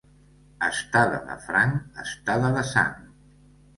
Estada de franc, estada de sang.